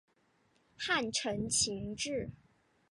汉承秦制。